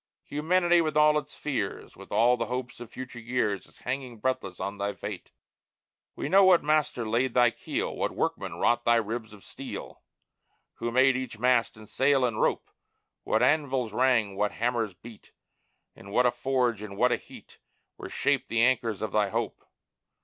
Humanity with all its fears, With all the hopes of future years, Is hanging breathless on thy fate! We know what Master laid thy keel, What Workmen wrought thy ribs of steel, Who made each mast, and sail, and rope, What anvils rang, what hammers beat, In what a forge and what a heat Were shaped the anchors of thy hope!